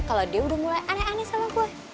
kalau dia udah mulai aneh aneh sama gue